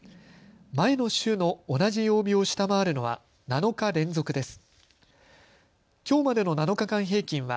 前の週の同じ曜日を下回るのは７日連続です。